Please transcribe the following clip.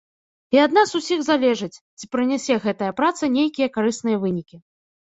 І ад нас усіх залежыць, ці прынясе гэтая праца нейкія карысныя вынікі.